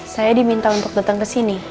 saya diminta untuk datang ke sini